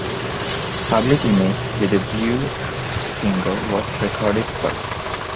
"Public Image", the debut single, was recorded first.